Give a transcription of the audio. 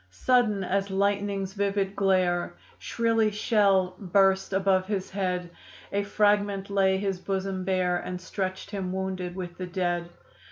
Sudden as lightning's vivid glare Shrilly shell burst above his head; A fragment laid his bosom bare And stretched him wounded with the dead.